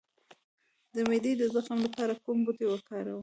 د معدې د زخم لپاره کوم بوټی وکاروم؟